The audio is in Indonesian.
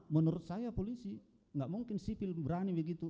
menurut saya polisi nggak mungkin sipil berani begitu